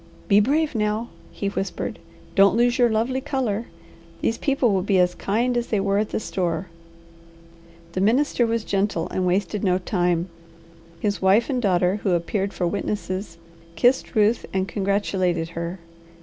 "Be brave now!" he whispered. "Don't lose your lovely colour. These people will be as kind as they were at the store." The minister was gentle and wasted no time. His wife and daughter, who appeared for witnesses, kissed Ruth, and congratulated her.